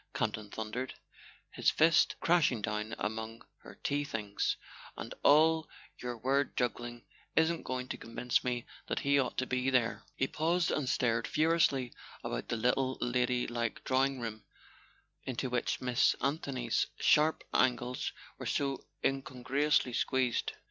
Campton thundered, his fist crashing down among her tea things; "and all your word juggling isn't going to convince me that he ought to be there." He paused and stared furiously about the little lady¬ like drawing room into which Miss Anthony's sharp angles were so incongruously squeezed.